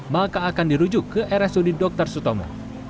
maka akan dirujuk ke rsud dr sutomo